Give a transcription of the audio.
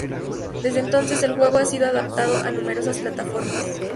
Desde entonces, el juego ha sido adaptado a numerosas plataformas.